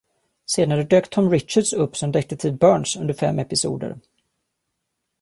Senare dök Tom Richards upp som Detektiv Burns under fem episoder.